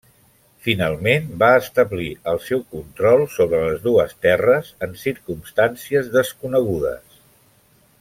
Finalment va establir el seu control sobre les dues terres en circumstàncies desconegudes.